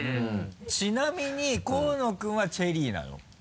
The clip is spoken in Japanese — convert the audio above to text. ちなみに河野君はチェリーなの？